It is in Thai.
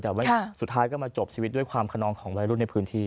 แต่ว่าสุดท้ายก็มาจบชีวิตด้วยความขนองของวัยรุ่นในพื้นที่